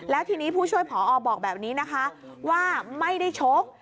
แล้วทีนี้ผู้ช่วยผอบอกแบบนี้นะคะว่าไม่ได้ชก